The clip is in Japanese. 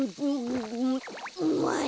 うまい。